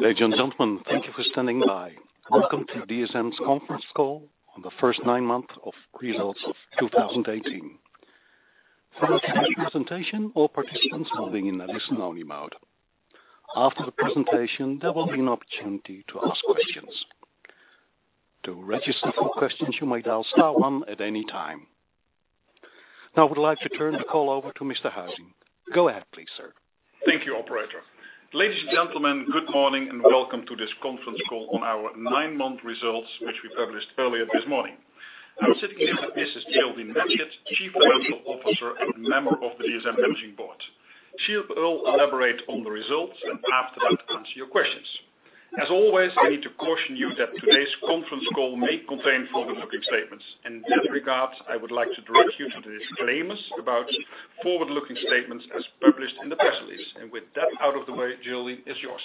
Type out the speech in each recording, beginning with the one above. Ladies and gentlemen, thank you for standing by. Welcome to DSM's conference call on the first nine months of results of 2018. Throughout the presentation, all participants will be in a listen-only mode. After the presentation, there will be an opportunity to ask questions. To register for questions, you may dial star one at any time. I would like to turn the call over to Mr. Huizing. Go ahead, please, sir. Thank you, operator. Ladies and gentlemen, good morning, and welcome to this conference call on our nine-month results, which we published earlier this morning. I am sitting here with Mrs. Geraldine Matchett, Chief Financial Officer, and member of the DSM Managing Board. She will elaborate on the results, and after that, answer your questions. As always, I need to caution you that today's conference call may contain forward-looking statements. In that regard, I would like to direct you to the disclaimers about forward-looking statements as published in the press release. With that out of the way, Geraldine, it is yours.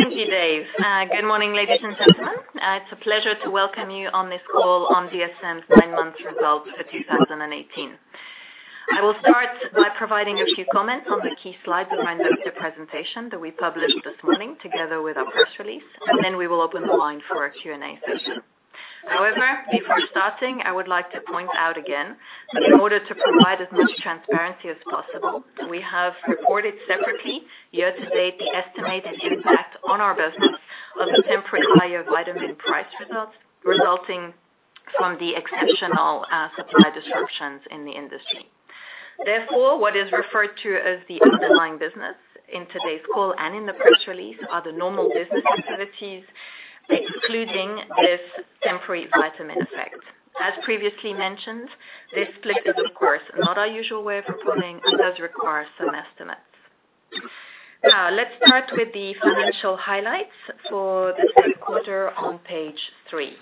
Thank you, Dave. Good morning, ladies and gentlemen. It is a pleasure to welcome you on this call on DSM's nine months results for 2018. I will start by providing a few comments on the key slides behind both the presentation that we published this morning together with our press release, and then we will open the line for our Q&A session. Before starting, I would like to point out again that in order to provide as much transparency as possible, we have reported separately year-to-date the estimated impact on our business of temporary higher vitamin price results resulting from the exceptional supply disruptions in the industry. Therefore, what is referred to as the underlying business in today's call and in the press release are the normal business activities, excluding this temporary vitamin effect. As previously mentioned, this split is of course not our usual way of reporting and does require some estimates. Let us start with the financial highlights for the third quarter on Page 3.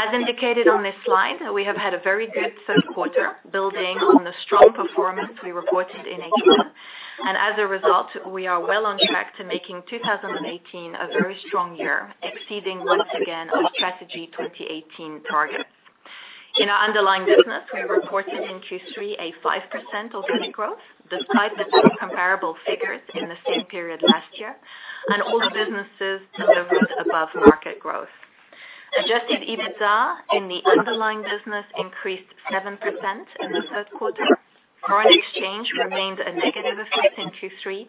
As indicated on this slide, we have had a very good third quarter, building on the strong performance we reported in H1. As a result, we are well on track to making 2018 a very strong year, exceeding once again our Strategy 2018 targets. In our underlying business, we reported in Q3 a 5% organic growth despite the tough comparable figures in the same period last year, and all the businesses delivered above-market growth. Adjusted EBITDA in the underlying business increased 7% in the third quarter. Foreign exchange remained a negative effect in Q3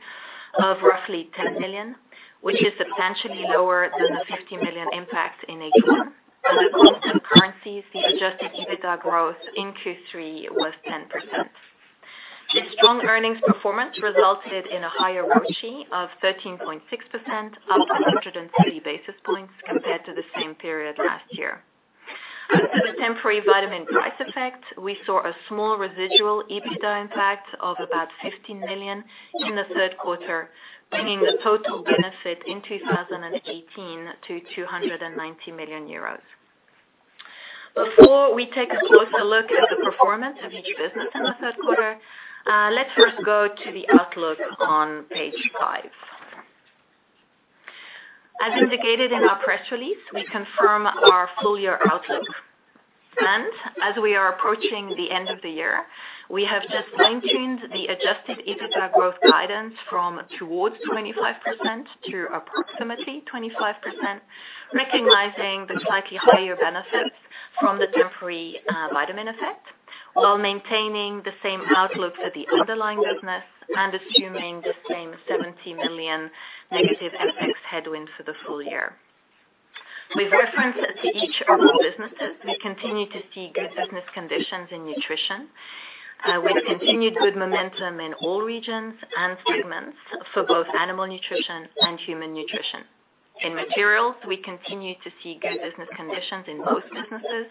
of roughly $10 million, which is substantially lower than the $50 million impact in H1. At constant currencies, the adjusted EBITDA growth in Q3 was 10%. The strong earnings performance resulted in a higher ROE of 13.6%, up 103 basis points compared to the same period last year. Under the temporary vitamin price effect, we saw a small residual EBITDA impact of about 15 million in the third quarter, bringing the total benefit in 2018 to 290 million euros. Before we take a closer look at the performance of each business in the third quarter, let's first go to the outlook on page 5. As indicated in our press release, we confirm our full-year outlook. As we are approaching the end of the year, we have just maintained the adjusted EBITDA growth guidance from towards 25% to approximately 25%, recognizing the slightly higher benefits from the temporary vitamin effect while maintaining the same outlook for the underlying business and assuming the same 70 million negative FX headwind for the full-year. With reference to each of our businesses, we continue to see good business conditions in nutrition, with continued good momentum in all regions and segments for both animal nutrition and human nutrition. In materials, we continue to see good business conditions in most businesses,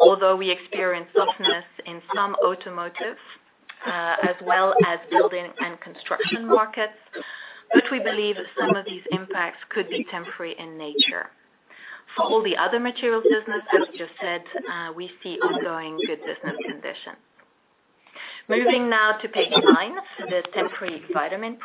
although we experienced softness in some automotive, as well as building and construction markets, but we believe some of these impacts could be temporary in nature. For all the other materials business, as just said, we see ongoing good business conditions. Moving now to page 9, the temporary vitamin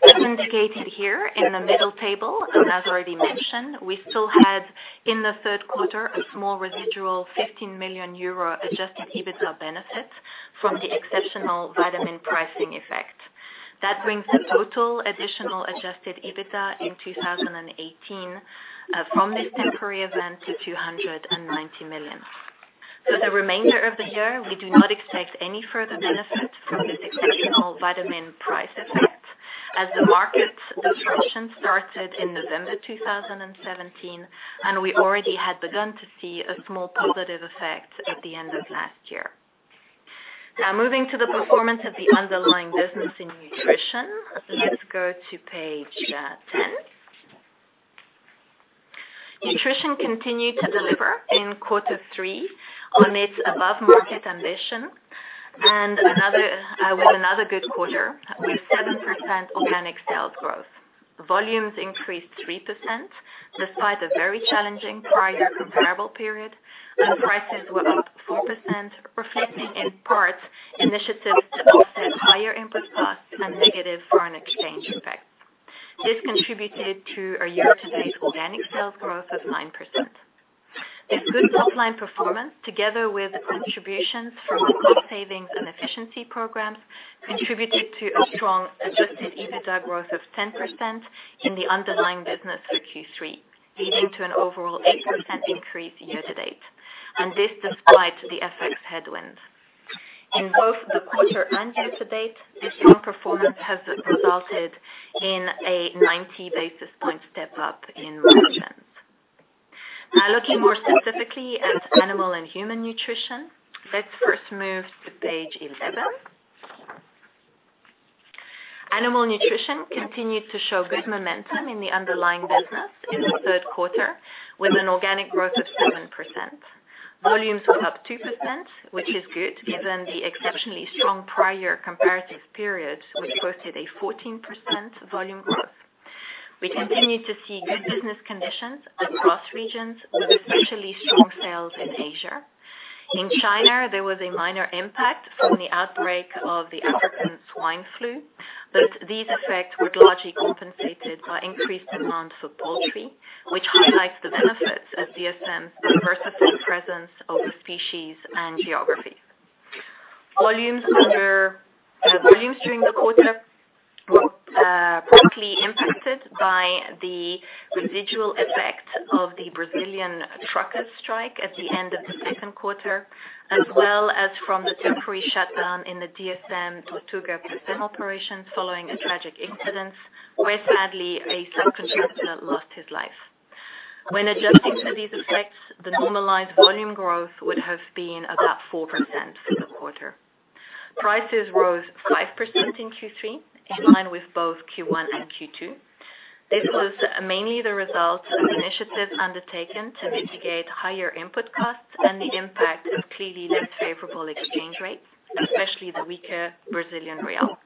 price effects. As indicated here in the middle table, and as already mentioned, we still had in the third quarter a small residual 15 million euro adjusted EBITDA benefit from the exceptional vitamin pricing effect. That brings the total additional adjusted EBITDA in 2018 from this temporary event to 290 million. For the remainder of the year, we do not expect any further benefit from this exceptional vitamin price effect, as the market disruption started in November 2017, and we already had begun to see a small positive effect at the end of last year. Moving to the performance of the underlying business in nutrition. Let's go to page 10. Nutrition continued to deliver in quarter three on its above-market ambition, and with another good quarter with 7% organic sales growth. Volumes increased 3%, despite a very challenging prior comparable period, and prices were up 4%, reflecting in part initiatives to offset higher input costs and negative foreign exchange effects. This contributed to a year-to-date organic sales growth of 9%. This good top-line performance, together with the contributions from cost savings and efficiency programs, contributed to a strong adjusted EBITDA growth of 10% in the underlying business for Q3, leading to an overall 8% increase year-to-date. This despite the FX headwinds. In both the quarter and year-to-date, the strong performance has resulted in a 90 basis point step-up in margins. Looking more specifically at Animal and Human Nutrition, let's first move to page 11. Animal Nutrition continued to show good momentum in the underlying business in the third quarter, with an organic growth of 7%. Volumes were up 2%, which is good given the exceptionally strong prior comparative period, which posted a 14% volume growth. We continue to see good business conditions across regions, with especially strong sales in Asia. In China, there was a minor impact from the outbreak of the African swine fever. These effects were largely compensated by increased demand for poultry, which highlights the benefits of DSM's diversified presence of species and geographies. Volumes during the quarter were partly impacted by the residual effect of the Brazilian truckers strike at the end of the second quarter, as well as from the temporary shutdown in the DSM Tortuga plant operations following a tragic incident where sadly a subcontractor lost his life. When adjusting for these effects, the normalized volume growth would have been about 4% for the quarter. Prices rose 5% in Q3, in line with both Q1 and Q2. This was mainly the result of initiatives undertaken to mitigate higher input costs and the impact of clearly less favorable exchange rates, especially the weaker Brazilian real.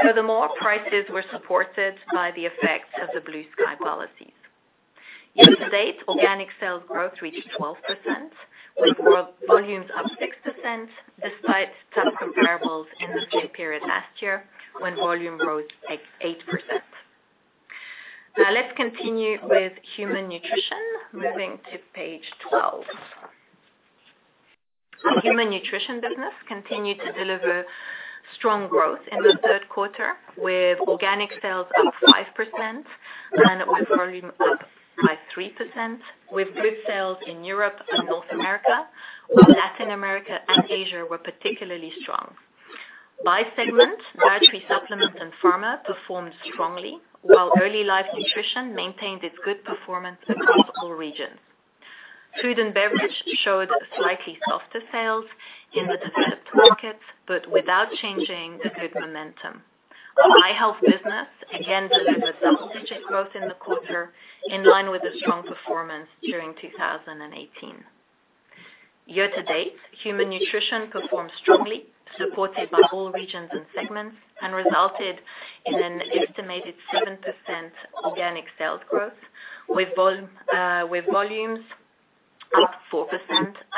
Furthermore, prices were supported by the effects of the Blue Sky policies. Year to date, organic sales growth reached 12%, with volumes up 6%, despite tough comparables in the same period last year when volume rose 8%. Let's continue with Human Nutrition. Moving to page 12. The Human Nutrition business continued to deliver strong growth in the third quarter, with organic sales up 5% and with volume up by 3%, with good sales in Europe and North America, while Latin America and Asia were particularly strong. By segment, Dietary Supplements and Pharma performed strongly, while Early Life Nutrition maintained its good performance across all regions. Food & Beverage showed slightly softer sales in the developed markets, without changing the good momentum. Our i-Health business again delivered double-digit growth in the quarter, in line with the strong performance during 2018. Year to date, Human Nutrition performed strongly, supported by all regions and segments, and resulted in an estimated 7% organic sales growth, with volumes up 4%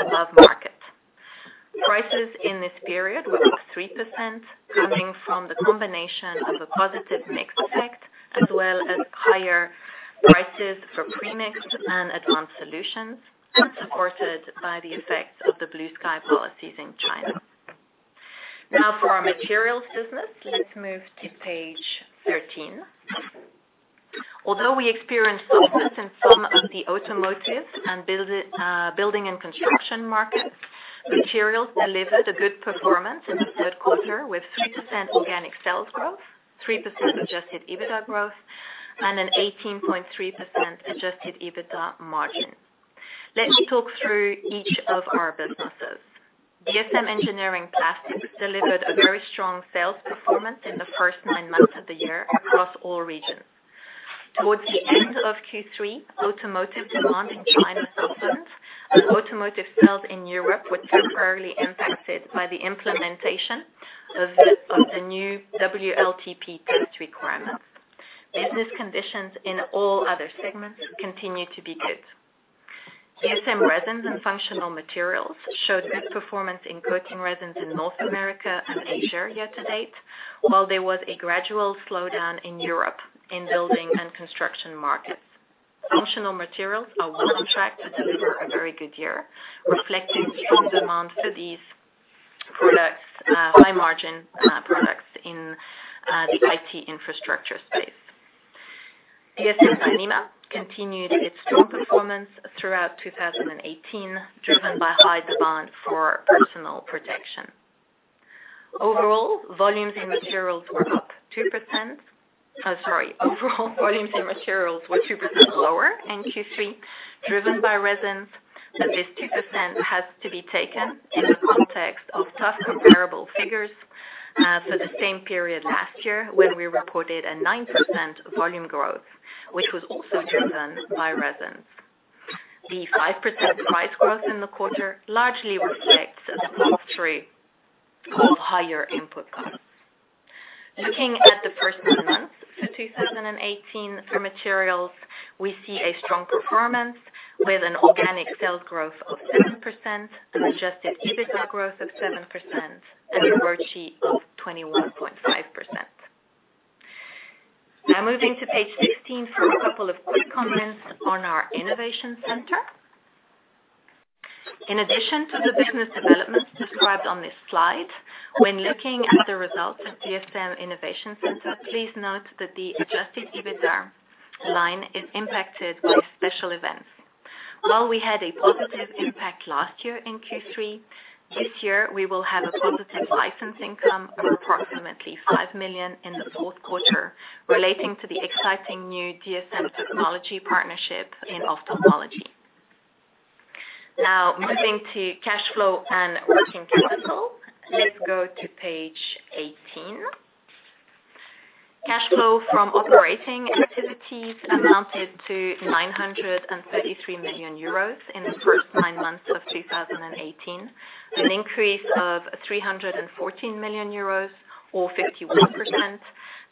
above market. Prices in this period were up 3%, coming from the combination of a positive mix effect, as well as higher prices for premix and advanced solutions, supported by the effects of the Blue Sky policies in China. For our Materials business. Let's move to page 13. Although we experienced softness in some of the automotive and building and construction markets, Materials delivered a good performance in the third quarter with 3% organic sales growth, 3% adjusted EBITDA growth, and an 18.3% adjusted EBITDA margin. Let me talk through each of our businesses. DSM Engineering Plastics delivered a very strong sales performance in the first nine months of the year across all regions. Towards the end of Q3, automotive demand in China softened. Automotive sales in Europe were temporarily impacted by the implementation of the new WLTP test requirements. Business conditions in all other segments continue to be good. DSM Resins & Functional Materials showed good performance in coating resins in North America and Asia year to date, while there was a gradual slowdown in Europe in building and construction markets. Functional Materials are well on track to deliver a very good year, reflecting strong demand for these high-margin products in the IT infrastructure space. DSM Dyneema continued its strong performance throughout 2018, driven by high demand for personal protection. Overall, volumes in Materials were 2% lower in Q3, driven by resins. This 2% has to be taken in the context of tough comparable figures for the same period last year, when we reported a 9% volume growth, which was also driven by resins. The 5% price growth in the quarter largely reflects the pass-through of higher input costs. Looking at the first nine months for 2018 for Materials, we see a strong performance with an organic sales growth of 7%, an adjusted EBITDA growth of 7%, and a royalty of 21.5%. Moving to page 16 for a couple of quick comments on our DSM Innovation Center. In addition to the business developments described on this slide, when looking at the results of DSM Innovation Center, please note that the adjusted EBITDA line is impacted by special events. While we had a positive impact last year in Q3, this year we will have a positive license income of approximately 5 million in the fourth quarter relating to the exciting new DSM technology partnership in ophthalmology. Moving to cash flow and working capital. Let's go to page 18. Cash flow from operating activities amounted to 933 million euros in the first nine months of 2018, an increase of 314 million euros or 51%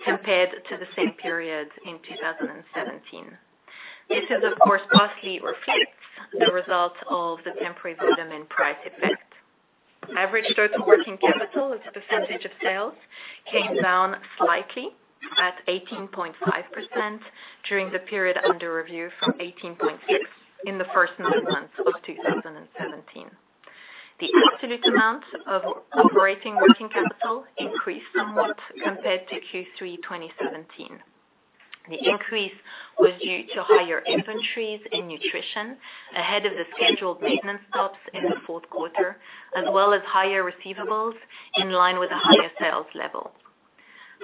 compared to the same period in 2017. This of course, partly reflects the results of the temporary volume and price effect. Average total working capital as a percentage of sales came down slightly at 18.5% during the period under review from 18.6% in the first nine months of 2017. The absolute amount of operating working capital increased somewhat compared to Q3 2017. The increase was due to higher inventories in nutrition ahead of the scheduled maintenance stops in the fourth quarter, as well as higher receivables in line with the higher sales level.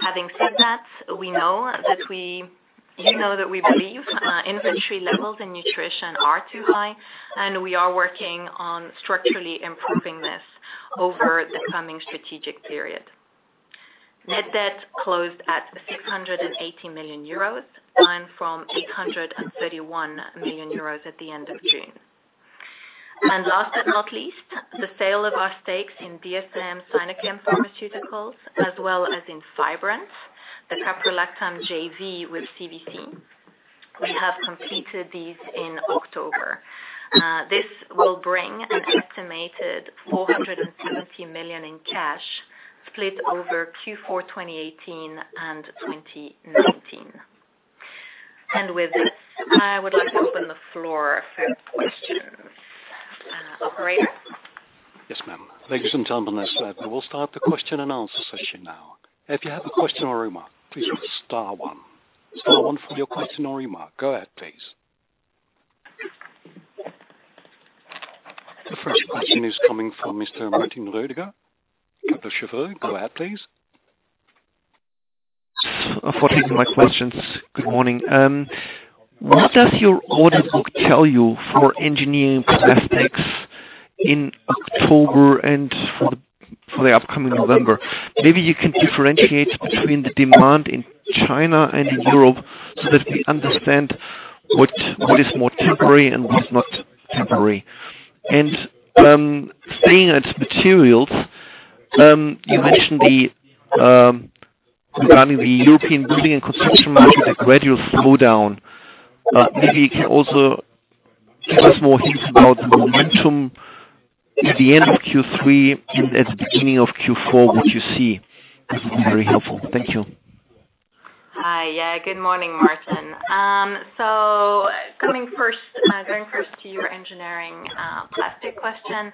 Having said that, we know that we believe inventory levels in nutrition are too high, and we are working on structurally improving this over the coming strategic period. Net debt closed at 680 million euros, down from 831 million euros at the end of June. Last but not least, the sale of our stakes in DSM-Sinochem Pharmaceuticals, as well as in Fibrant, the caprolactam JV with CVC. We have completed these in October. This will bring an estimated 470 million in cash split over Q4 2018 and 2019. With this, I would like to open the floor for questions. Operator? Yes, ma'am. Ladies and gentlemen, we'll start the question and answer session now. If you have a question or a remark, please press star one. Star one for your question or remark. Go ahead, please. The first question is coming from Mr. Martin Roediger, Kepler Cheuvreux. Go ahead, please. Thanks for taking my questions. Good morning. What does your order book tell you for Engineering Plastics in October and for the upcoming November? Maybe you can differentiate between the demand in China and in Europe so that we understand what is more temporary and what is not temporary. Staying at materials, you mentioned regarding the European building and construction market, a gradual slowdown. Maybe you can also give us more hints about the momentum at the end of Q3 and at the beginning of Q4, what you see. That would be very helpful. Thank you. Hi. Yeah, good morning, Martin. Going first to your Engineering Plastics question.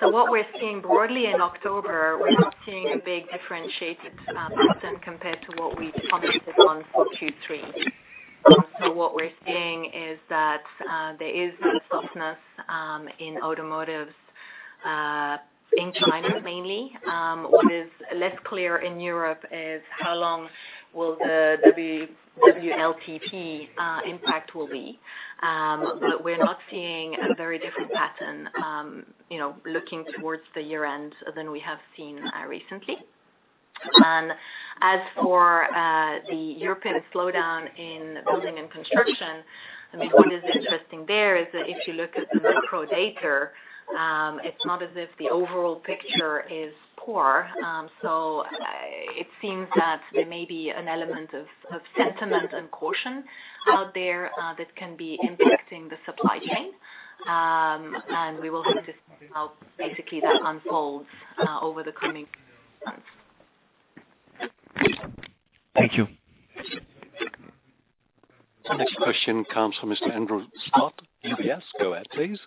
What we're seeing broadly in October, we're not seeing a big differentiated pattern compared to what we commented on for Q3. What we're seeing is that there is a softness in automotives, in China mainly. What is less clear in Europe is how long will the WLTP impact will be. We're not seeing a very different pattern looking towards the year-end than we have seen recently. As for the European slowdown in building and construction, I mean, what is interesting there is that if you look at the macro data, it's not as if the overall picture is poor. It seems that there may be an element of sentiment and caution out there that can be impacting the supply chain. We will have to see how basically that unfolds over the coming months. Thank you. The next question comes from Mr. Andrew Scott, UBS. Go ahead, please.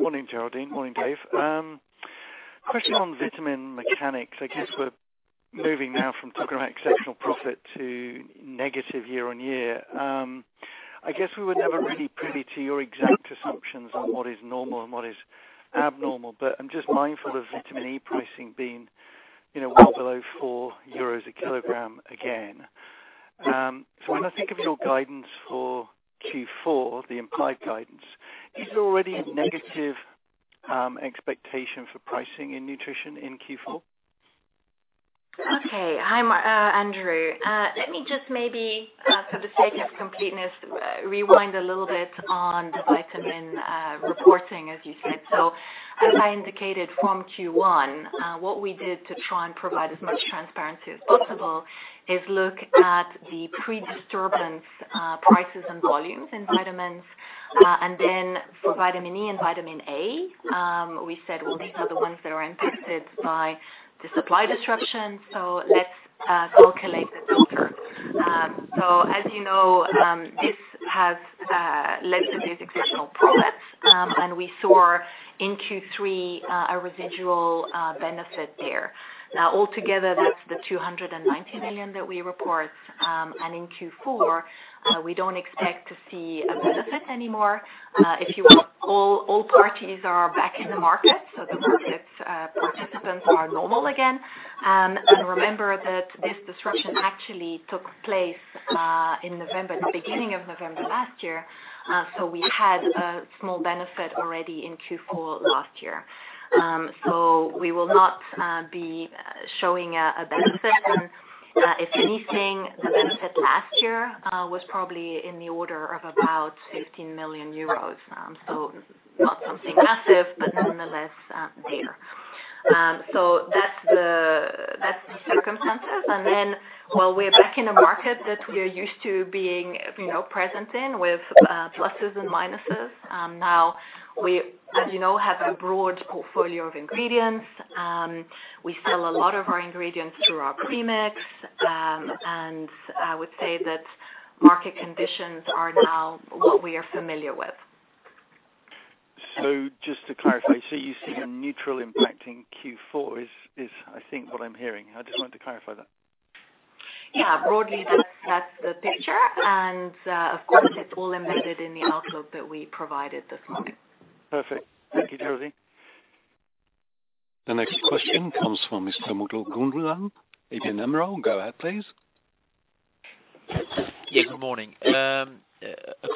Morning, Geraldine. Morning, Dave. Question on vitamin mechanics. I guess we're moving now from talking about exceptional profit to negative year-over-year. I guess we were never really privy to your exact assumptions on what is normal and what is abnormal, but I'm just mindful of vitamin E pricing being well below 4 euros a kilogram again. When I think of your guidance for Q4, the implied guidance, is it already a negative expectation for pricing in nutrition in Q4? Okay. Hi, Andrew. Let me just maybe, for the sake of completeness, rewind a little bit on the vitamin reporting, as you said. As I indicated from Q1, what we did to try and provide as much transparency as possible is look at the pre-disturbance prices and volumes in vitamins. Then for vitamin E and vitamin A, we said, "Well, these are the ones that are impacted by the supply disruption, let's calculate it further." As you know, this has led to these exceptional products, and we saw in Q3 a residual benefit there. Altogether, that's the 290 million that we report. In Q4, we don't expect to see a benefit anymore. If you will, all parties are back in the market, the market's participants are normal again. Remember that this disruption actually took place in the beginning of November last year. We had a small benefit already in Q4 last year. We will not be showing a benefit. If anything, the benefit last year was probably in the order of about 15 million euros. Not something massive, but nonetheless there. That's the circumstances. Then while we're back in a market that we are used to being present in with pluses and minuses now we, as you know, have a broad portfolio of ingredients. We sell a lot of our ingredients through our premix. I would say that market conditions are now what we are familiar with. Just to clarify, you see a neutral impact in Q4 is I think what I'm hearing. I just wanted to clarify that. Yeah. Broadly, that's the picture and, of course, it's all embedded in the outlook that we provided this morning. Perfect. Thank you, Geraldine. The next question comes from Mr. Mutlu Gundogan, ABN Amro. Go ahead, please. Yes, good morning. A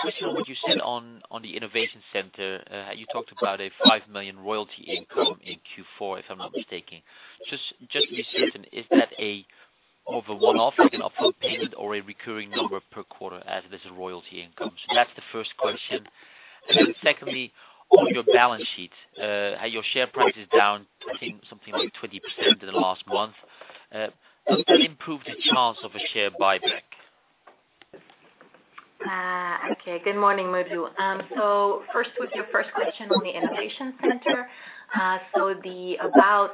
question on what you said on the DSM Innovation Center. You talked about a 5 million royalty income in Q4, if I'm not mistaken. Just to be certain, is that more of a one-off, like an upfront payment or a recurring number per quarter as this royalty income? That's the first question. Secondly, on your balance sheet, your share price is down, I think something like 20% in the last month. Does that improve the chance of a share buyback? Good morning, Mutlu. First with your first question on the DSM Innovation Center. The about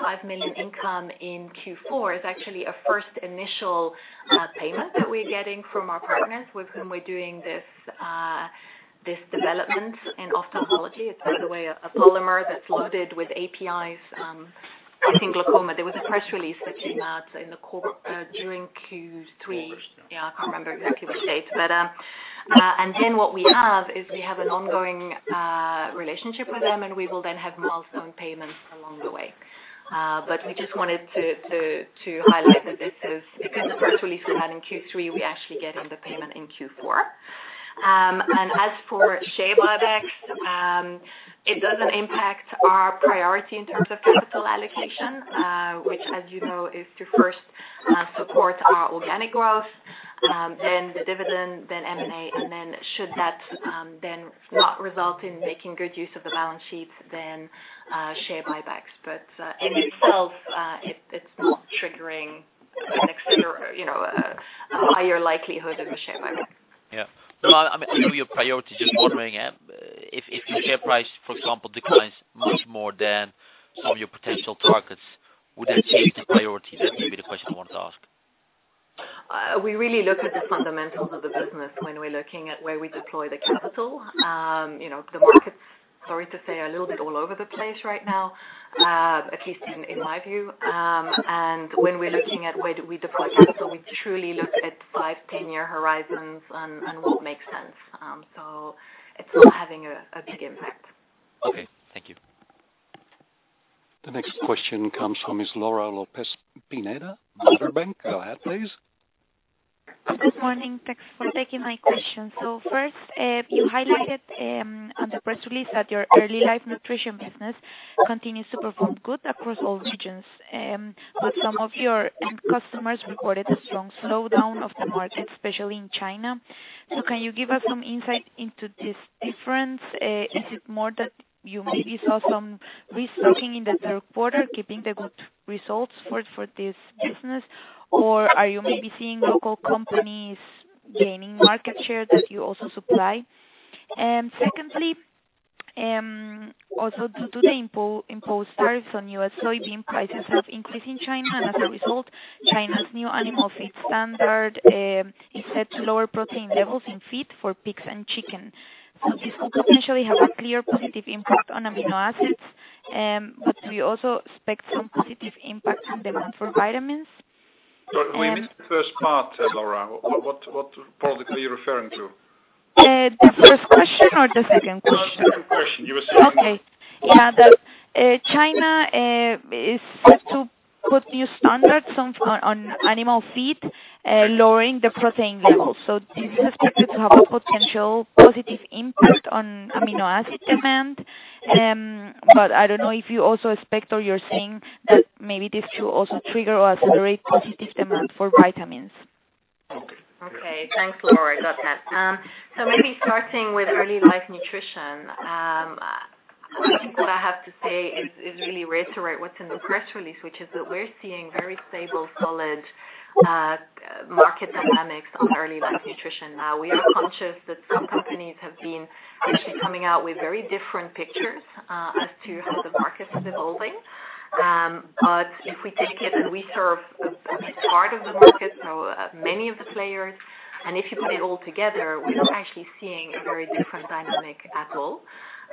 5 million income in Q4 is actually a first initial payment that we're getting from our partners with whom we're doing this development in ophthalmology. It's, by the way, a polymer that's loaded with APIs, I think glaucoma. There was a press release that came out during Q3. I can't remember exactly what date. What we have is we have an ongoing relationship with them, and we will then have milestone payments along the way. We just wanted to highlight that this is because the press release went out in Q3, we're actually getting the payment in Q4. As for share buybacks, it doesn't impact our priority in terms of capital allocation, which as you know, is to first support our organic growth, then the dividend, then M&A, and then should that then not result in making good use of the balance sheet, then share buybacks. In itself, it's not triggering a higher likelihood of a share buyback. No, I know your priority. Just wondering, if your share price, for example, declines much more than some of your potential targets, would that change the priority? That may be the question I wanted to ask. We really look at the fundamentals of the business when we're looking at where we deploy the capital. The market's, sorry to say, a little bit all over the place right now, at least in my view. When we're looking at where do we deploy capital, we truly look at five, 10-year horizons and what makes sense. It's not having a big impact. Okay. Thank you. The next question comes from Ms. Laura Lopez Pineda, Baader Bank. Go ahead, please. Good morning. Thanks for taking my question. First, you highlighted on the press release that your Early Life Nutrition business continues to perform good across all regions. Some of your end customers reported a strong slowdown of the market, especially in China. Can you give us some insight into this difference? Is it more that you maybe saw some restocking in the third quarter, keeping the good results for this business, or are you maybe seeing local companies gaining market share that you also supply? Secondly, also due to the imposed tariffs on U.S. soybean prices have increased in China, and as a result, China's new animal feed standard is set to lower protein levels in feed for pigs and chicken. This could potentially have a clear positive impact on amino acids, but do you also expect some positive impact in demand for vitamins? Sorry, we missed the first part, Laura. What product are you referring to? The first question or the second question? The second question. You were saying. China is set to put new standards on animal feed, lowering the protein levels. Do you expect it to have a potential positive impact on amino acid demand? I don't know if you also expect or you're saying that maybe this should also trigger or accelerate positive demand for vitamins. Okay. Yeah. Thanks, Laura. Got that. Maybe starting with Early Life Nutrition. I think what I have to say is really reiterate what's in the press release, which is that we're seeing very stable, solid market dynamics on Early Life Nutrition. We are conscious that some companies have been actually coming out with very different pictures as to how the market is evolving. If we take it and we serve this part of the market, so many of the players, and if you put it all together, we're not actually seeing a very different dynamic at all.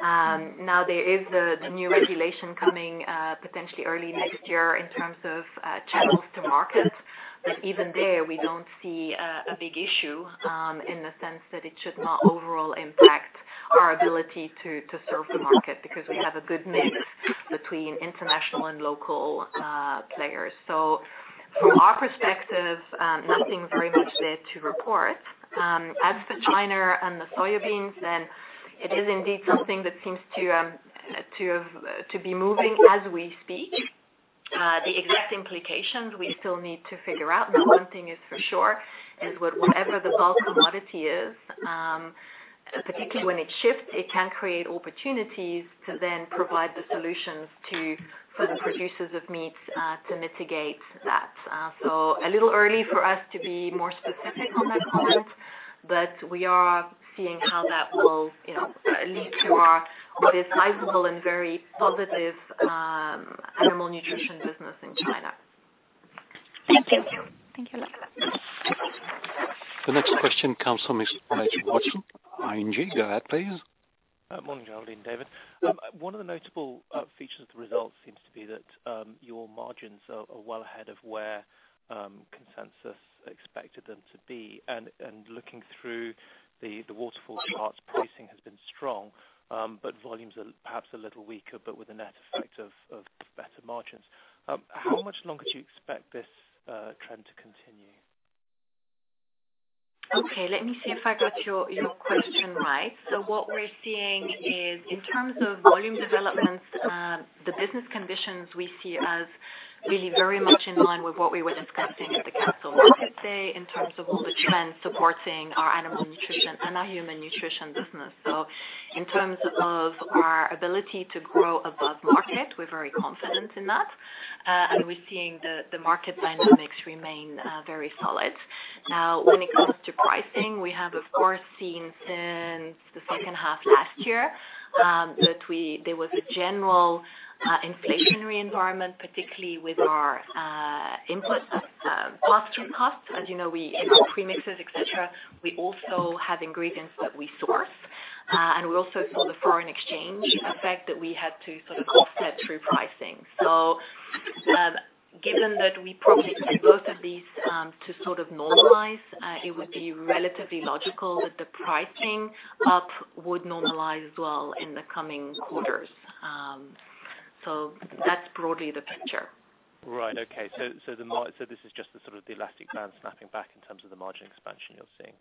There is the new regulation coming potentially early next year in terms of channels to market. Even there, we don't see a big issue in the sense that it should not overall impact our ability to serve the market because we have a good mix between international and local players. From our perspective, nothing very much there to report. As for China and the soybeans, it is indeed something that seems to be moving as we speak. The exact implications we still need to figure out. One thing is for sure is whatever the bulk commodity is, particularly when it shifts, it can create opportunities to then provide the solutions for the producers of meats to mitigate that. A little early for us to be more specific on that comment, but we are seeing how that will lead to what is sizable and very positive animal nutrition business in China. Thank you. Thank you. The next question comes from Watson, ING. Go ahead, please. Morning, Geraldine, Dave. One of the notable features of the results seems to be that your margins are well ahead of where consensus expected them to be. Looking through the waterfall charts, pricing has been strong, but volumes are perhaps a little weaker, but with a net effect of better margins. How much longer do you expect this trend to continue? What we're seeing is in terms of volume developments, the business conditions we see as really very much in line with what we were discussing at the Capital Market Day in terms of all the trends supporting our Animal Nutrition & Health and our Human Nutrition & Health business. In terms of our ability to grow above market, we're very confident in that. We're seeing the market dynamics remain very solid. Now, when it comes to pricing, we have, of course, seen since the second half last year that there was a general inflationary environment, particularly with our input costs. As you know, in our premixes, et cetera, we also have ingredients that we source. We also saw the foreign exchange effect that we had to sort of offset through pricing. Given that we probably see both of these to sort of normalize, it would be relatively logical that the pricing up would normalize as well in the coming quarters. That's broadly the picture. Right. Okay. This is just the sort of the elastic band snapping back in terms of the margin expansion you're seeing.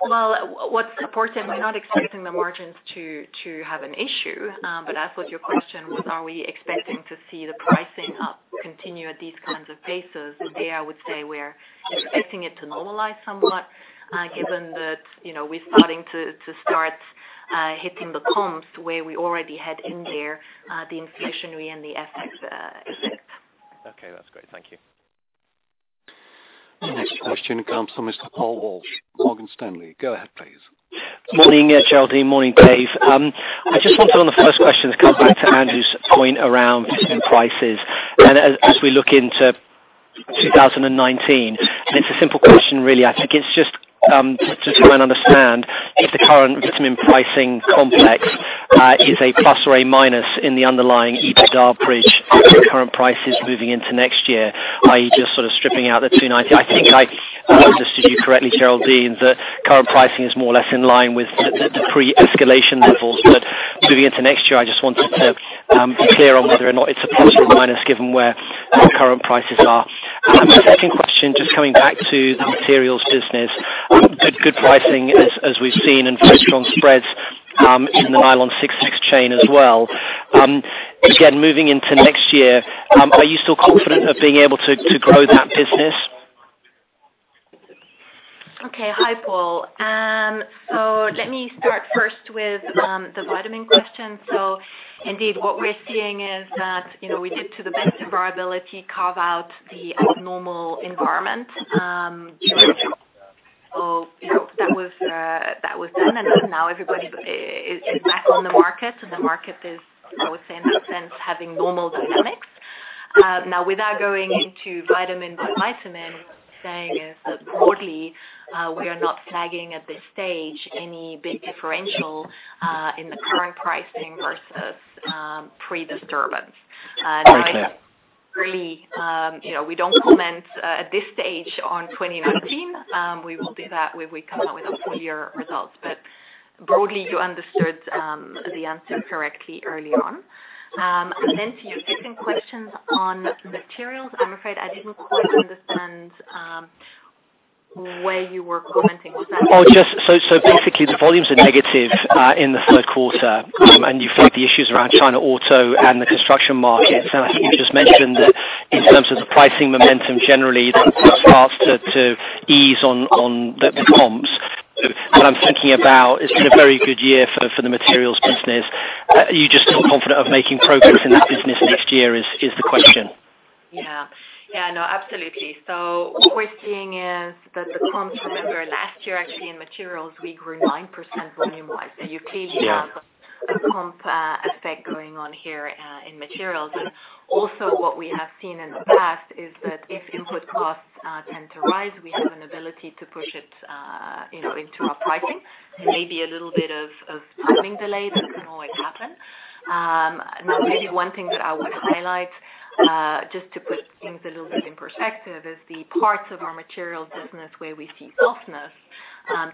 What's important, we're not expecting the margins to have an issue, but as what your question was, are we expecting to see the pricing up continue at these kinds of paces? There I would say we're expecting it to normalize somewhat given that we're starting to hit the comps where we already had in there the inflationary and the FX effects. Okay, that's great. Thank you. The next question comes from Mr. Paul Walsh, Morgan Stanley. Go ahead, please. Morning, Geraldine. Morning, Dave. I just wanted on the first question to come back to Andrew's point around vitamin prices and as we look into 2019. It's a simple question really, I think it's just to try and understand if the current vitamin pricing complex is a plus or a minus in the underlying EBITDA bridge at current prices moving into next year, i.e., just sort of stripping out the 2019. I think I understood you correctly, Geraldine, that current pricing is more or less in line with the pre-escalation levels. Moving into next year, I just wanted to be clear on whether or not it's a plus or minus given where current prices are. My second question, just coming back to the materials business. Good pricing as we've seen and very strong spreads in the nylon 6,6 chain as well. Again, moving into next year, are you still confident of being able to grow that business? Okay. Hi, Paul. Let me start first with the vitamin question. Indeed, what we're seeing is that we did to the best of our ability carve out the abnormal environment. That was done and now everybody is back on the market and the market is, I would say, in that sense, having normal dynamics. Now without going into vitamin by vitamin, what I'm saying is that broadly, we are not flagging at this stage any big differential in the current pricing versus pre-disturbance. Okay. Broadly we don't comment at this stage on 2019. We will do that when we come out with the full year results. Broadly, you understood the answer correctly early on. Then to your second questions on materials, I'm afraid I didn't quite understand where you were commenting. Just basically the volumes are negative in the third quarter, and you flagged the issues around China auto and the construction markets. I think you just mentioned that in terms of the pricing momentum generally, that starts to ease on the comps. What I'm thinking about, it's been a very good year for the materials business. Are you just still confident of making progress in that business next year is the question. Absolutely. What we're seeing is, here actually in materials, we grew 9% volume-wise. You clearly have a comp effect going on here in materials. Also what we have seen in the past is that if input costs tend to rise, we have an ability to push it into our pricing. There may be a little bit of timing delay. That can always happen. Now, really one thing that I would highlight, just to put things a little bit in perspective, is the parts of our materials business where we see softness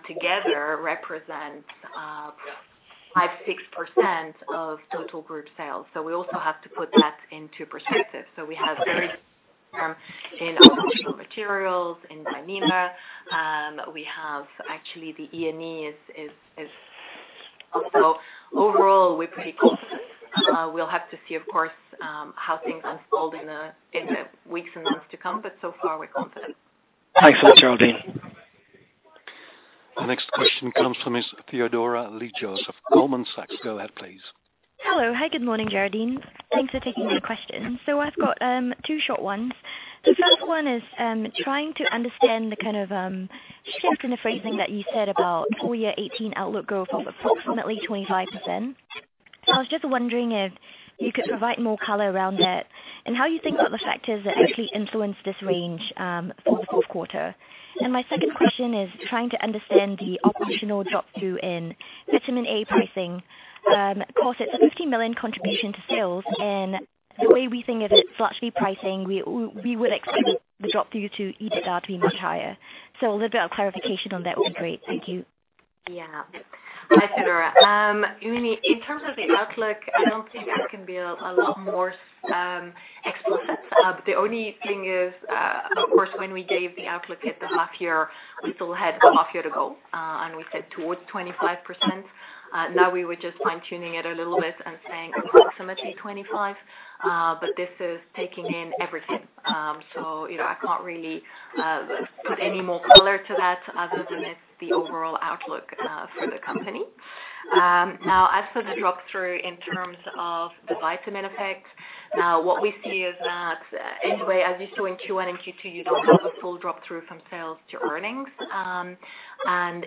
together represent 5%, 6% of total group sales. We also have to put that into perspective. We have very in operational materials, in Dyneema. We have actually the ENE is also. Overall, we're pretty confident. We'll have to see, of course, how things unfold in the weeks and months to come, so far, we're confident. Thanks a lot, Geraldine. The next question comes from Ms. Theodora Lee-Joseph, Goldman Sachs. Go ahead, please. Hello. Hi. Good morning, Geraldine. Thanks for taking my question. I've got two short ones. The first one is trying to understand the kind of shift in the phrasing that you said about full year 2018 outlook growth of approximately 25%. I was just wondering if you could provide more color around that and how you think about the factors that actually influence this range for the fourth quarter. My second question is trying to understand the operational drop through in vitamin A pricing. Of course, it's a 50 million contribution to sales, and the way we think of it's largely pricing. We would expect the drop through to EBITDA to be much higher. A little bit of clarification on that would be great. Thank you. Hi, Theodora. In terms of the outlook, I don't think I can be a lot more explicit. The only thing is, of course, when we gave the outlook at the half year, we still had one half year to go, and we said towards 25%. We were just fine-tuning it a little bit and saying approximately 25, but this is taking in everything. I can't really put any more color to that other than it's the overall outlook for the company. As for the drop through in terms of the vitamin effect, what we see is that anyway, as you saw in Q1 and Q2, you don't have a full drop through from sales to earnings.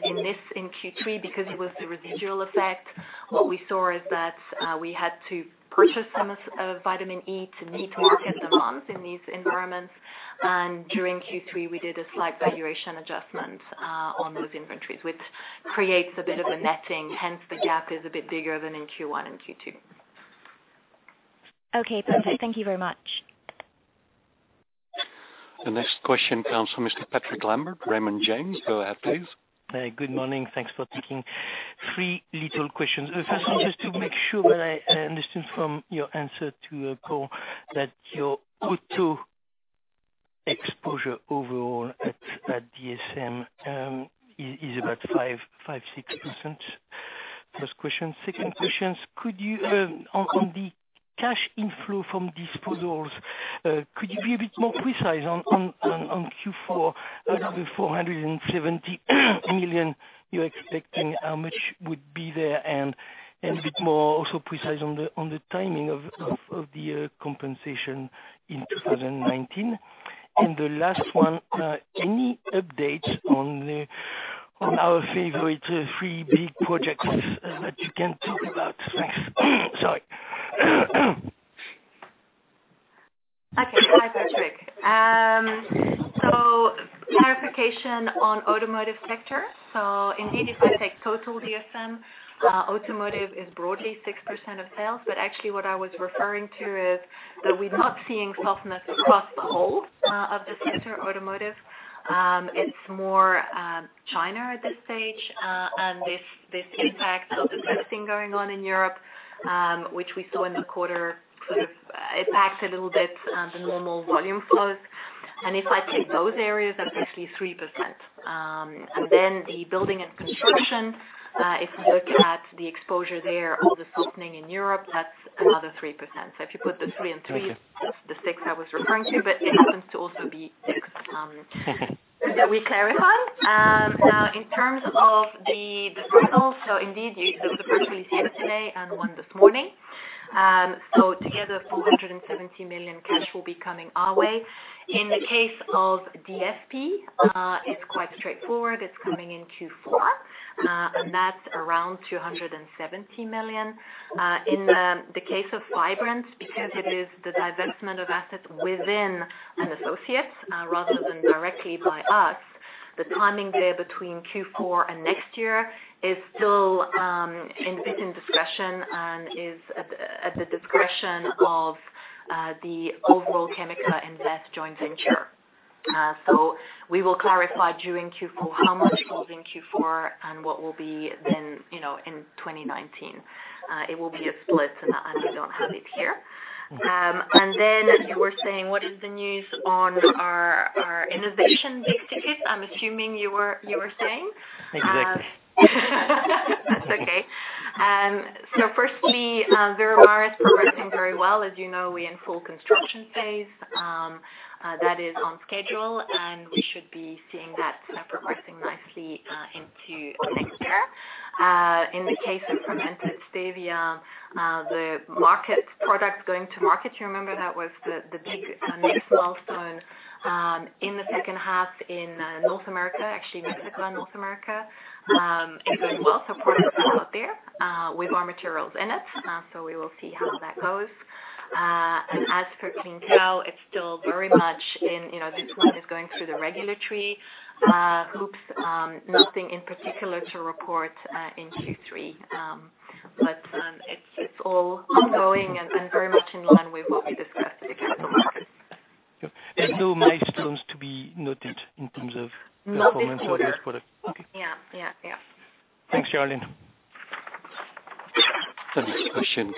In this, in Q3, because it was the residual effect, what we saw is that we had to purchase some of vitamin E to meet market demands in these environments. During Q3, we did a slight valuation adjustment on those inventories, which creates a bit of a netting, hence the gap is a bit bigger than in Q1 and Q2. Okay, perfect. Thank you very much. The next question comes from Mr. Patrick Lambert, Raymond James. Go ahead, please. Good morning. Thanks for taking. Three little questions. First one, just to make sure that I understood from your answer to Paul that your auto exposure overall at DSM is about 5%-6%. First question. Second question, on the cash inflow from disposals, could you be a bit more precise on Q4, out of the 470 million you're expecting, how much would be there? A bit more also precise on the timing of the compensation in 2019. The last one, any updates on our favorite three big projects that you can talk about? Thanks. Sorry. Hi, Patrick. Clarification on automotive sector. Indeed, if I take total DSM, automotive is broadly 6% of sales, but actually what I was referring to is that we're not seeing softness across the whole of the sector, automotive. It's more China at this stage, and this impact of the testing going on in Europe, which we saw in the quarter, sort of impacted a little bit the normal volume flows. If I take those areas, that's actually 3%. The building and construction, if you look at the exposure there of the softening in Europe, that's another 3%. If you put the three and three- Okay that's the 6 I was referring to, but it happens to also be 6 that we clarify. In terms of the disposals, indeed, there was officially yesterday and one this morning. Together, 470 million cash will be coming our way. In the case of DSP, it's quite straightforward. It's coming in Q4. That's around 270 million. In the case of Fibrant, because it is the divestment of assets within an associate rather than directly by us, the timing there between Q4 and next year is still a bit in discussion and is at the discretion of the overall ChemicaInvest joint venture. We will clarify during Q4 how much falls in Q4 and what will be then in 2019. It will be a split, and I don't have it here. You were saying, what is the news on our innovation big tickets? I'm assuming you were saying. Exactly. That's okay. Firstly, Veramaris is progressing very well. As you know, we're in full construction phase. That is on schedule, and we should be seeing that progressing nicely into next year. In the case of stevia, the product going to market, you remember that was the big next milestone in the second half in North America, actually Mexico and North America. It's going well. Products are out there with our materials in it. We will see how that goes. As for Project Clean Cow, it's still very much. This one is going through the regulatory hoops. Nothing in particular to report in Q3. It's all ongoing and very much in line with what we discussed at Capital Markets. There's no milestones to be noted in terms of. Nothing further. performance for this product? Okay. Yeah. Thanks, Geraldine. The next question comes from Mr. Andreas Heine, MainFirst. Go ahead, please. I have a question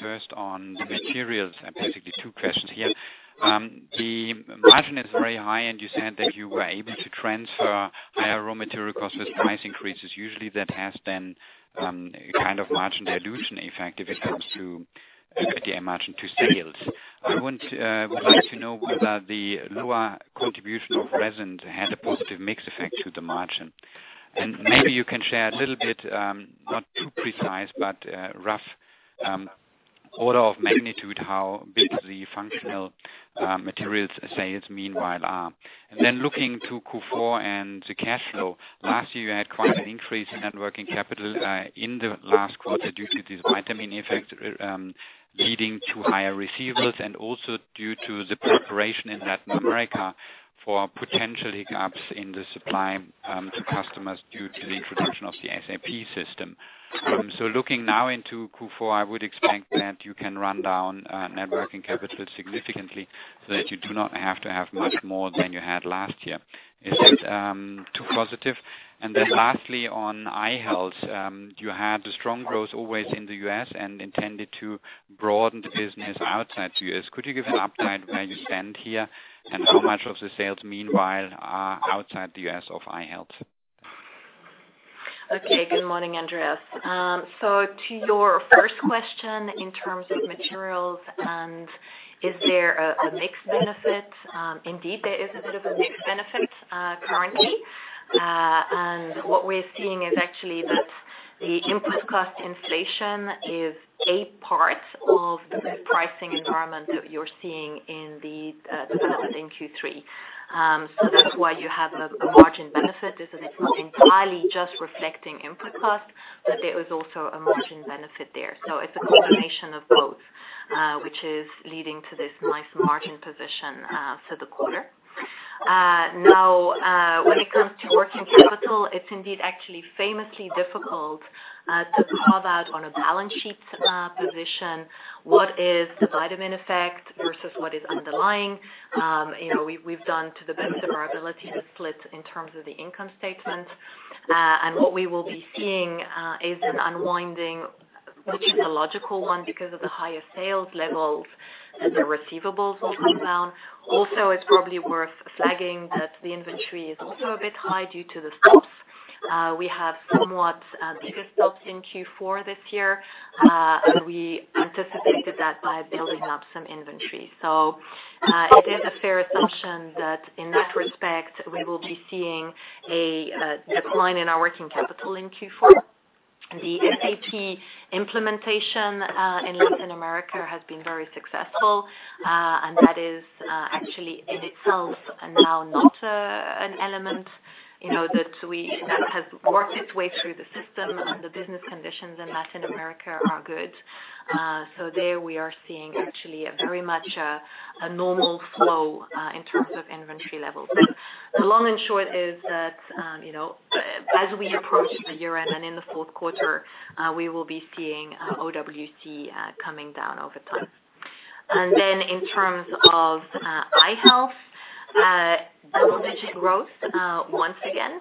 first on the materials, basically two questions here. The margin is very high, you said that you were able to transfer higher raw material costs with price increases. Usually that has a kind of margin dilution effect if it comes to the margin to sales. I would like to know whether the lower contribution of resins had a positive mix effect to the margin. Maybe you can share a little bit, not too precise, but rough order of magnitude, how big the Functional Materials sales meanwhile are. Then looking to Q4 and the cash flow, last year you had quite an increase in net working capital in the last quarter due to this vitamin effect leading to higher receivables and also due to the preparation in Latin America for potential hiccups in the supply to customers due to the introduction of the SAP system. Looking now into Q4, I would expect that you can run down net working capital significantly so that you do not have to have much more than you had last year. Is that too positive? Lastly, on i-Health, you had a strong growth always in the U.S. and intended to broaden the business outside the U.S. Could you give an update where you stand here and how much of the sales meanwhile are outside the U.S. of i-Health? Okay. Good morning, Andreas. To your first question in terms of materials and is there a mix benefit, indeed, there is a bit of a mix benefit currently. What we're seeing is actually that the input cost inflation is a part of the pricing environment that you're seeing in the development in Q3. That's why you have a margin benefit, is that it's not entirely just reflecting input costs, but there is also a margin benefit there. It's a combination of both, which is leading to this nice margin position for the quarter. When it comes to working capital, it's indeed actually famously difficult to carve out on a balance sheet position, what is the vitamin effect versus what is underlying. We've done to the best of our ability to split in terms of the income statement. What we will be seeing is an unwinding, which is a logical one because of the higher sales levels, the receivables will come down. It's probably worth flagging that the inventory is also a bit high due to the stops. We have somewhat bigger stops in Q4 this year, and we anticipated that by building up some inventory. It is a fair assumption that in that respect, we will be seeing a decline in our working capital in Q4. The SAP implementation in Latin America has been very successful, and that is actually in itself now not an element, that has worked its way through the system and the business conditions in Latin America are good. There we are seeing actually a very much a normal flow in terms of inventory levels. The long and short is that as we approach the year-end and in the fourth quarter, we will be seeing OWC coming down over time. In terms of i-Health, double-digit growth once again.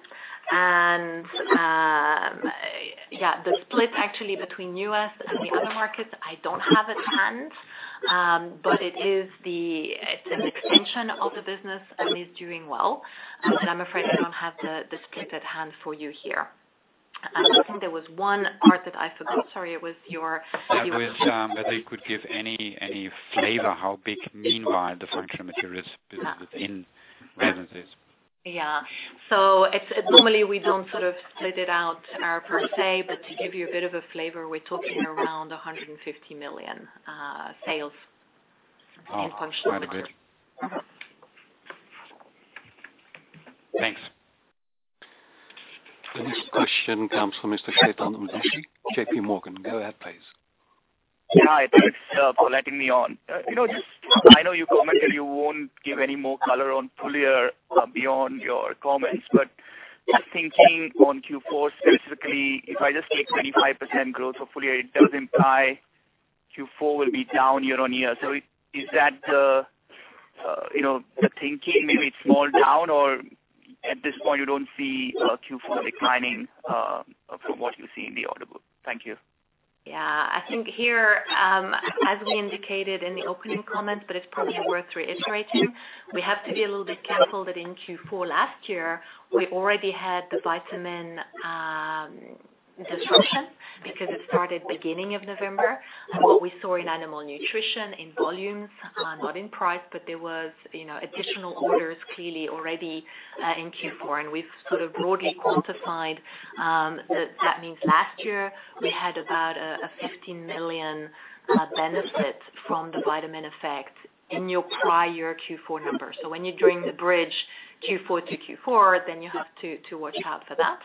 The split actually between U.S. and the other markets, I don't have at hand, but it's an extension of the business and is doing well. I'm afraid I don't have the split at hand for you here. I think there was one part that I forgot. Sorry, it was your. That was whether you could give any flavor how big meanwhile the Functional Materials business within resins is. Yeah. Normally we don't sort of split it out per se, but to give you a bit of a flavor, we're talking around 150 million sales in Functional Materials. Quite a bit. Thanks. The next question comes from Mr. Chetan Udhas, J.P. Morgan. Go ahead, please. Hi, thanks for letting me on. I know you commented you won't give any more color on full year beyond your comments, but just thinking on Q4 specifically, if I just take 25% growth for full year, it does imply Q4 will be down year-over-year. Is that the thinking, maybe it's small down or at this point you don't see Q4 declining from what you see in the order book? Thank you. I think here, as we indicated in the opening comments, but it's probably worth reiterating, we have to be a little bit careful that in Q4 last year, we already had the vitamin disruption, because it started beginning of November. What we saw in animal nutrition, in volumes, not in price, but there was additional orders clearly already in Q4, and we've sort of broadly quantified that means last year we had about a 15 million benefit from the vitamin effect in your prior Q4 numbers. When you're doing the bridge Q4 to Q4, then you have to watch out for that.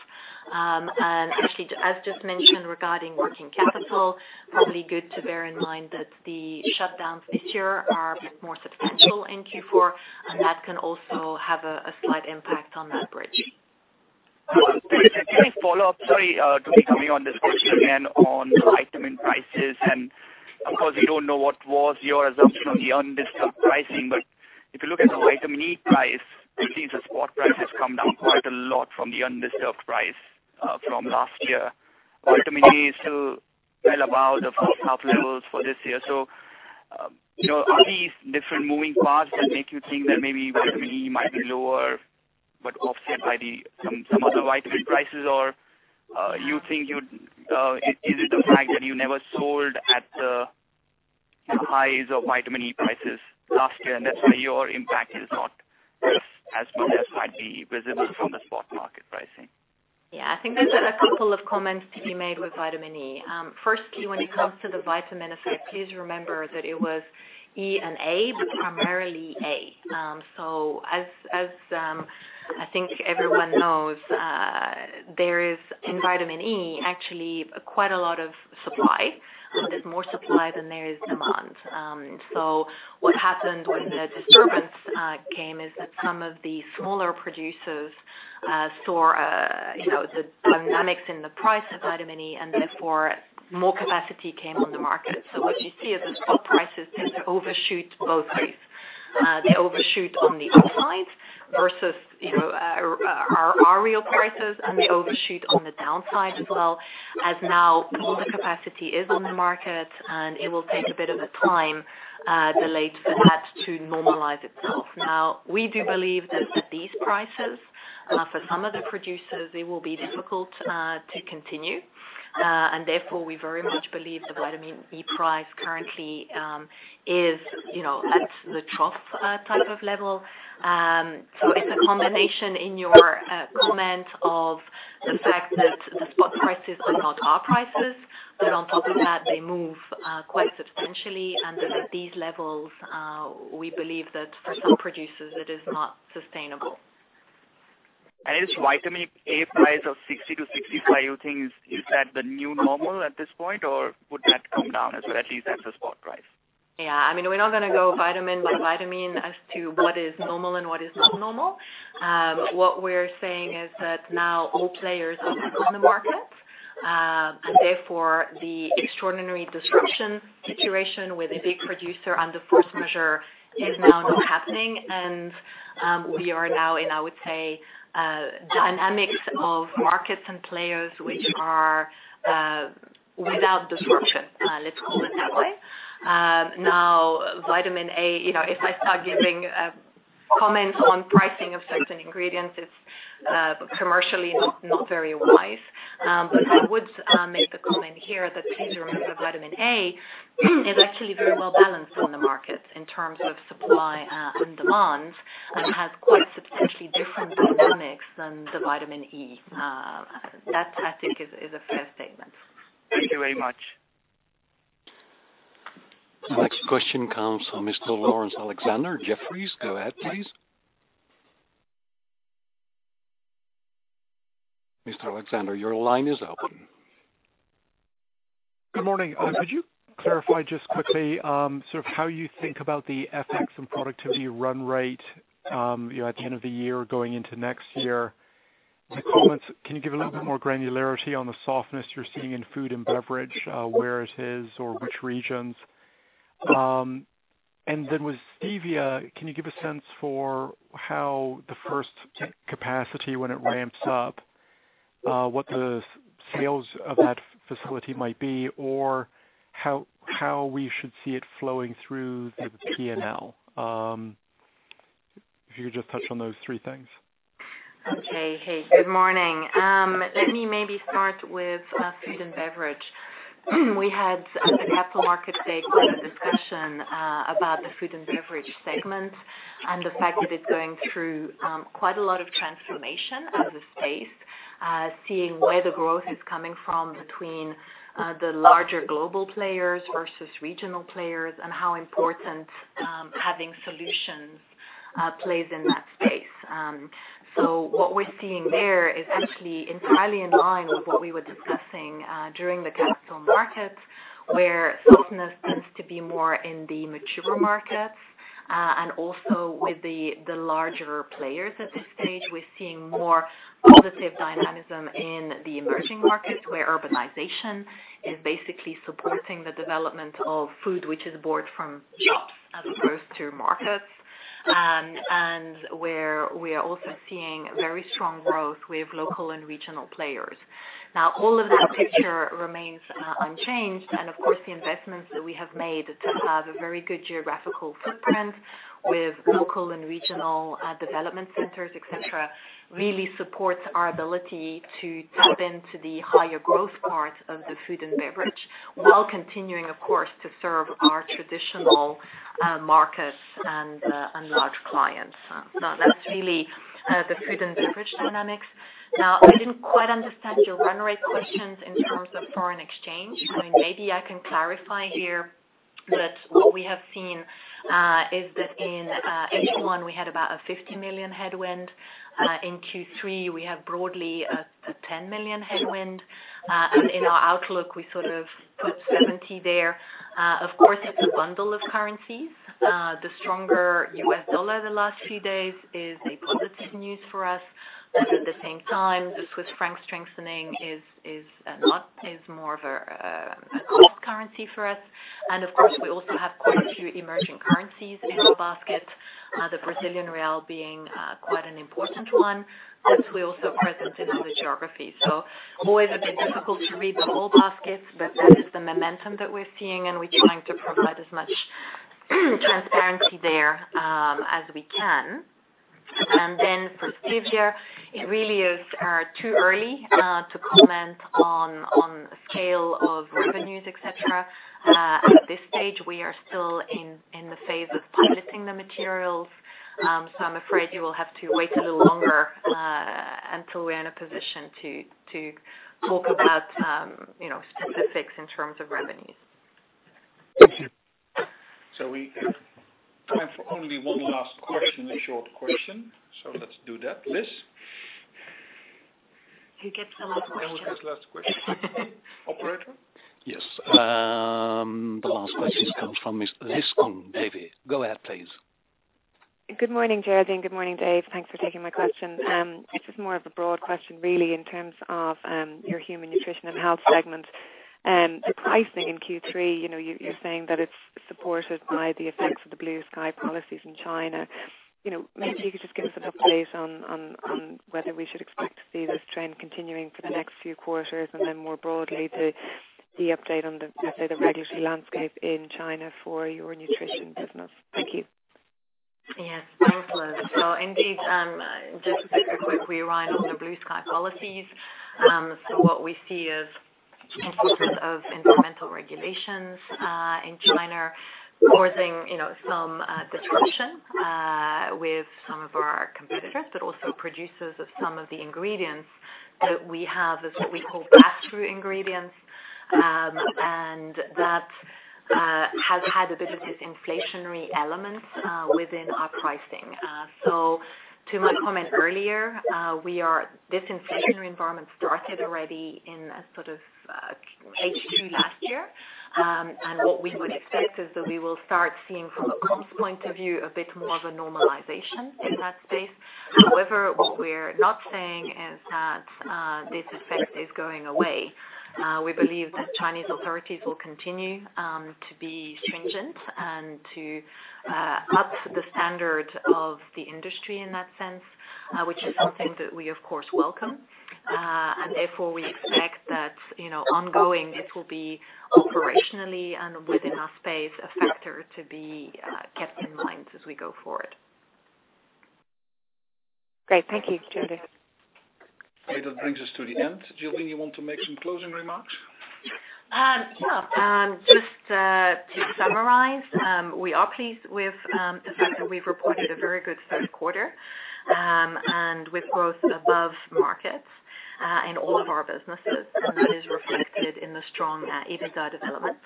Actually, as just mentioned regarding working capital, probably good to bear in mind that the shutdowns this year are a bit more substantial in Q4, and that can also have a slight impact on that bridge. Just a quick follow-up. Sorry to be coming on this question again on vitamin prices. Of course, we don't know what was your assumption on the undisturbed pricing, but if you look at the vitamin E price, it seems the spot price has come down quite a lot from the undisturbed price from last year. Vitamin E is still well above the first half levels for this year. Are these different moving parts that make you think that maybe vitamin E might be lower, but offset by some other vitamin prices? Or is it a fact that you never sold at the highs of vitamin E prices last year and that's why your impact is not as much as might be visible from the spot market pricing? I think there's a couple of comments to be made with vitamin E. Firstly, when it comes to the vitamin effect, please remember that it was E and A, but primarily A. As I think everyone knows, there is in vitamin E actually quite a lot of supply. There's more supply than there is demand. What happened when the disturbance came is that some of the smaller producers saw the dynamics in the price of vitamin E, and therefore more capacity came on the market. What you see is the spot prices tend to overshoot both ways. They overshoot on the upside versus our real prices, and they overshoot on the downside as well, as now all the capacity is on the market, and it will take a bit of a time delayed for that to normalize itself. We do believe that at these prices, for some of the producers, it will be difficult to continue. Therefore, we very much believe the vitamin E price currently is at the trough type of level. It's a combination in your comment of the fact that the spot prices are not our prices, but on top of that, they move quite substantially. At these levels, we believe that for some producers, it is not sustainable. Is vitamin A price of 60-65, you think, is that the new normal at this point? Or would that come down as well, at least as a spot price? Yeah. We're not going to go vitamin by vitamin as to what is normal and what is not normal. What we're saying is that now all players are on the market. Therefore, the extraordinary disruption situation with a big producer under force majeure is now not happening. We are now in, I would say, dynamics of markets and players which are without disruption. Let's call it that way. Vitamin A, if I start giving comments on pricing of certain ingredients, it's commercially not very wise. I would make the comment here that please remember vitamin A is actually very well balanced on the market in terms of supply and demand and has quite substantially different dynamics than the vitamin E. That I think is a fair statement. Thank you very much. The next question comes from Mr. Laurence Alexander, Jefferies. Go ahead, please. Mr. Alexander, your line is open. Good morning. Could you clarify just quickly how you think about the FX and productivity run rate at the end of the year going into next year? The comments, can you give a little bit more granularity on the softness you're seeing in Food & Beverage, where it is or which regions? Then with stevia, can you give a sense for how the first capacity when it ramps up, what the sales of that facility might be or how we should see it flowing through the P&L? If you could just touch on those three things. Okay. Hey, good morning. Let me maybe start with Food & Beverage. We had, at the Capital Markets Day, quite a discussion about the Food & Beverage segment and the fact that it's going through quite a lot of transformation as a space, seeing where the growth is coming from between the larger global players versus regional players, and how important having solutions plays in that space. What we're seeing there is actually entirely in line with what we were discussing during the Capital Markets, where softness tends to be more in the mature markets. Also with the larger players at this stage, we're seeing more positive dynamism in the emerging markets, where urbanization is basically supporting the development of food which is bought from shops as opposed to markets. And where we are also seeing very strong growth with local and regional players. All of that picture remains unchanged, of course the investments that we have made to have a very good geographical footprint with local and regional development centers, et cetera, really supports our ability to tap into the higher growth part of the Food & Beverage, while continuing, of course, to serve our traditional markets and large clients. That's really the Food & Beverage dynamics. I didn't quite understand your run rate questions in terms of foreign exchange. Maybe I can clarify here that what we have seen is that in H1 we had about a 50 million headwind. In Q3, we have broadly a 10 million headwind. In our outlook, we sort of put 70 there. Of course, it's a bundle of currencies. The stronger US dollar the last few days is a positive news for us. At the same time, the Swiss franc strengthening is more of a cost currency for us. Of course, we also have quite a few emerging currencies in our basket, the Brazilian real being quite an important one as we also present into the geography. Always a bit difficult to read the whole basket, but that is the momentum that we're seeing, and we're trying to provide as much transparency there as we can. For stevia, it really is too early to comment on scale of revenues, et cetera. At this stage, we are still in the phase of piloting the materials. I'm afraid you will have to wait a little longer until we're in a position to talk about specifics in terms of revenues. Thank you. We have time for only one last question, a short question. Let's do that. Liz? Who gets the last question? Who gets the last question? Operator? Yes. The last question comes from Lisa De Neve, go ahead, please. Good morning, Geraldine. Good morning, Dave. Thanks for taking my question. This is more of a broad question really in terms of your Human Nutrition & Health segment. The pricing in Q3, you're saying that it's supported by the effects of the Blue Sky policy in China. Maybe you could just give us an update on whether we should expect to see this trend continuing for the next few quarters, and then more broadly, the update on the, let's say, the regulatory landscape in China for your nutrition business. Thank you. Indeed, just to be very quick, we ride on the Blue Sky policy. What we see is enforcement of environmental regulations in China causing some disruption with some of our competitors, but also producers of some of the ingredients that we have as what we call pass-through ingredients, and that has had a bit of this inflationary element within our pricing. To my comment earlier, this inflationary environment started already in sort of H2 last year. What we would expect is that we will start seeing from a comps point of view a bit more of a normalization in that space. However, what we're not saying is that this effect is going away. We believe that Chinese authorities will continue to be stringent and to up the standard of the industry in that sense, which is something that we, of course, welcome. Therefore, we expect that ongoing this will be operationally and within our space, a factor to be kept in mind as we go forward. Great. Thank you, Geraldine. Okay. That brings us to the end. Geraldine, you want to make some closing remarks? Yeah. Just to summarize, we are pleased with the fact that we've reported a very good third quarter. With growth above markets in all of our businesses, that is reflected in the strong EBITDA development.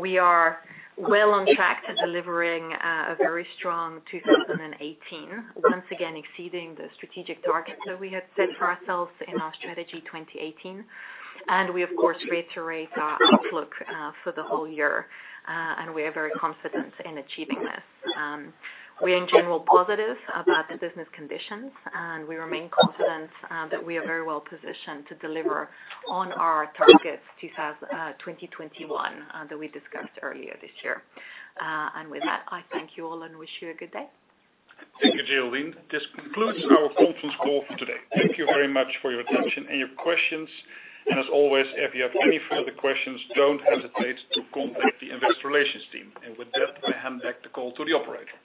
We are well on track to delivering a very strong 2018, once again exceeding the strategic targets that we had set for ourselves in our Strategy 2018. We, of course, reiterate our outlook for the whole year, and we are very confident in achieving this. We are in general positive about the business conditions. We remain confident that we are very well positioned to deliver on our targets 2021, that we discussed earlier this year. With that, I thank you all and wish you a good day. Thank you, Geraldine. This concludes our conference call for today. Thank you very much for your attention and your questions. As always, if you have any further questions, don't hesitate to contact the investor relations team. With that, I hand back the call to the operator.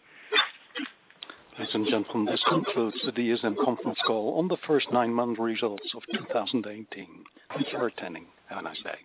Ladies and gentlemen, this concludes the DSM conference call on the first nine-month results of 2018. Thank you for attending. Have a nice day.